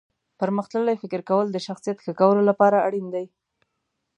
پرمختللي فکر کول د شخصیت ښه کولو لپاره اړین دي.